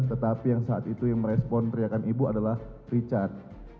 tetapi yang saat itu yang merespon teriakan ibu adalah richard